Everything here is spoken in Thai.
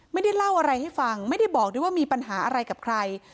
ไม่ได้เล่าอะไรให้ฟังไม่ได้บอกด้วยว่ามีปัญหาอะไรกับใคร